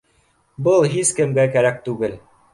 Был һис кемгә кәрәк түгел